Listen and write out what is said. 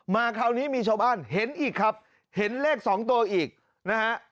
คราวนี้มีชาวบ้านเห็นอีกครับเห็นเลขสองตัวอีกนะฮะ